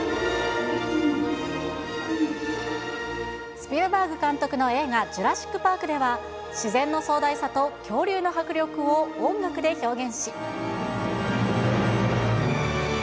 スピルバーグ監督の映画、ジュラシック・パークでは、自然の壮大さと恐竜の迫力を音楽で表現し。